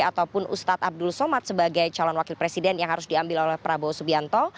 ataupun ustadz abdul somad sebagai calon wakil presiden yang harus diambil oleh prabowo subianto